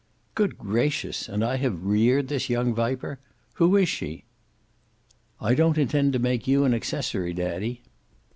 "Good gracious! And I have reared this young viper! Who is she?" "I don't intend to make you an accessory, daddy."